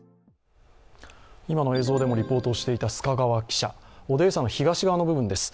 今の映像でもリポートしていた須賀川記者、オデーサの東側の部分です。